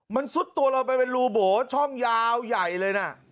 มันซุดตัวลงไปเป็นรูโบช่องยาวใหญ่เลยนะ